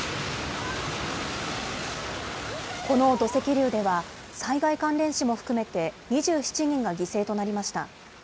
この土石流では、災害関連死も含めて、２７人が犠牲となりました。